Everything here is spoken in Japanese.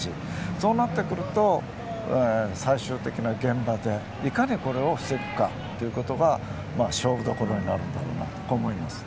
そうなってくると最終的な現場でいかにこれを防ぐかということが勝負どころになるのではと思います。